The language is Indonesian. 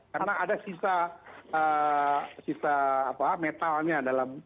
karena ada sisa metalnya dalam